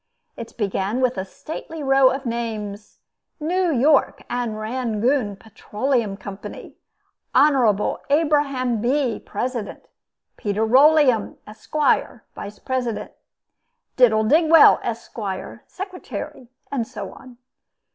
It began with a stately row of names: New York and Rangoon Petroleum Company; Honorable Abraham Bee, President; Peter Rolleum, Esq., Vice President; Diddle Digwell, Esq., Secretary; and so on.